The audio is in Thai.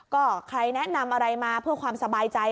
ก็ใครแนะนำอะไรมาเพื่อความสบายใจ